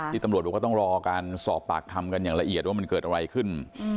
ตำรวจบอกว่าต้องรอการสอบปากคำกันอย่างละเอียดว่ามันเกิดอะไรขึ้น